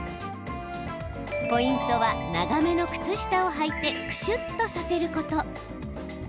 ポイントは長めの靴下をはいてくしゅっとさせること。